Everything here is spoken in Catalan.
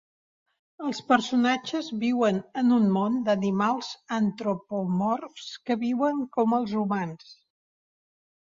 Els personatges viuen en un món d'animals antropomorfs que viuen com els humans.